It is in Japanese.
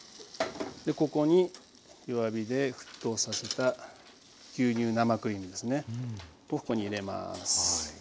ここに弱火で沸騰させた牛乳生クリームですね。をここに入れます。